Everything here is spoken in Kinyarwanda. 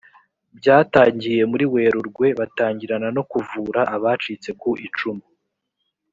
byatangiye muri werurwe bitangirana no kuvura abacitse ku icumu